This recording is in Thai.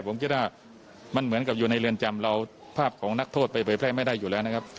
ผมคิดว่ามันเหมือนกับอยู่ในเรือนจำเราภาพของนักโทษไปเผยแพร่ไม่ได้อยู่แล้วนะครับ